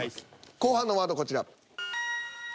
後半のワードこちら。